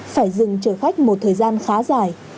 phải dừng chờ khách một thời gian khá dài